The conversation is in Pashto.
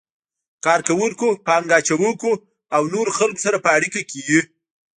کار کوونکو، پانګه اچونکو او نورو خلکو سره په اړیکه کې وي.